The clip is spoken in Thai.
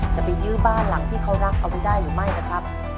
จะไปยื้อบ้านหลังที่เขารักเอาไว้ได้หรือไม่นะครับ